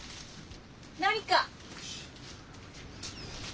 何か？